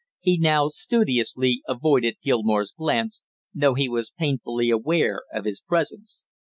He now studiously avoided Gilmore's glance, though he was painfully aware of his presence.